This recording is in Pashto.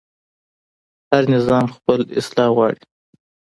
هر نظام خپل اصلاح غواړي